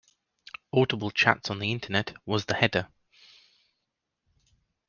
Audible chats On the Internet was the header.